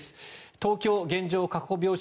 東京は現状、確保病床